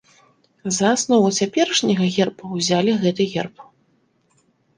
За аснову цяперашняга герба ўзялі гэты герб.